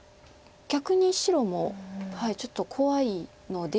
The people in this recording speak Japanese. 逆に白もちょっと怖いので。